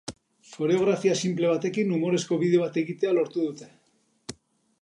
Koreografia sinple batekin, umorezko bideo bat egitea lortu dute.